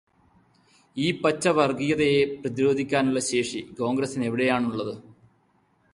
ഈ പച്ച വര്ഗീയതയെ പ്രതിരോധിക്കാനുള്ള ശേഷി കോണ്ഗ്രസ്സിന് എവിടെയാണുള്ളത്?